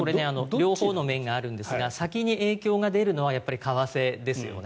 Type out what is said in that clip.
両方の面があるんですが先に影響が出るのはやっぱり、為替ですよね。